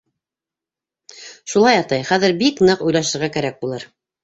— Шулай, атай, хәҙер бик ныҡ уйлашырға кәрәк булыр.